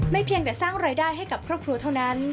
เพียงแต่สร้างรายได้ให้กับครอบครัวเท่านั้น